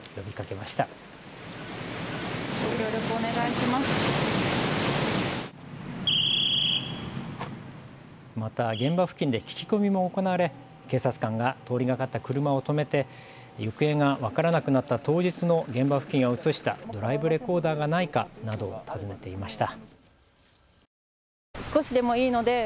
また、現場付近で聞き込みも行われ警察官が通りがかった車を止めて、行方が分からなくなった当日の現場付近を映したドライブレコーダーがないかなどを尋ねていました。